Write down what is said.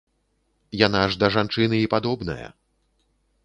Яна ж да жанчыны і падобная.